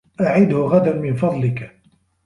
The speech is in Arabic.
أعده غدا من فضلك.